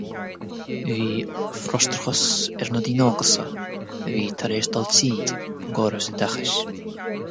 Bhí frustrachas ar na daoine óga seo a bhí tar éis dul tríd an gcóras oideachais.